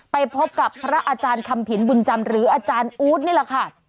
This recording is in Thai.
ไปพบกับพระอาจารย์คำผินบุญจำหรืออาจารย์อู๊ดนี่แหละค่ะ